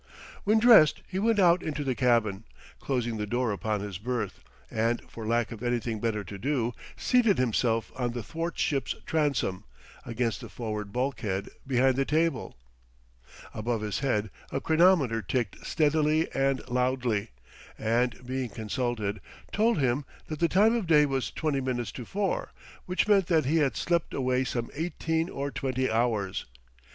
When dressed he went out into the cabin, closing the door upon his berth, and for lack of anything better to do, seated himself on the thwartships transom, against the forward bulkhead, behind the table. Above his head a chronometer ticked steadily and loudly, and, being consulted, told him that the time of day was twenty minutes to four; which meant that he had slept away some eighteen or twenty hours.